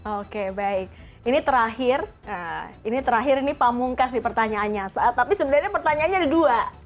oke baik ini terakhir ini terakhir ini pamungkas nih pertanyaannya tapi sebenarnya pertanyaannya ada dua